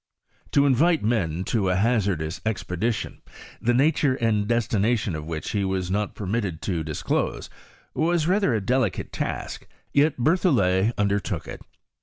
To invite men to a hazardous expeditioD, the nature and destination of which he was not per mitted to disclose, was rather a delicate task ; yet fierthoUet undertook it.